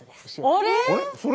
あれ？